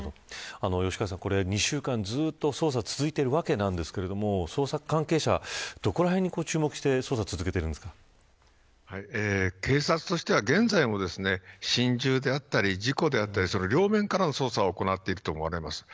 吉川さん、これ２週間ずっと捜査が続いてるわけなんですけれども捜査関係者は、どこらへんに注目して捜査を警察としては、現在も心中であったり事故であったり両面からの捜査を行っていると思われます。